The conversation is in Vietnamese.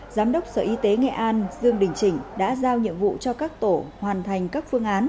giám đốc sở y tế nghệ an dương đình chỉnh đã giao nhiệm vụ cho các tổ hoàn thành các phương án